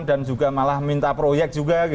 dan juga malah minta proyek juga